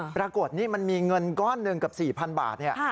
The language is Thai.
ปรากฏนี่มันมีเงินก้อนหนึ่งเกือบ๔๐๐๐บาท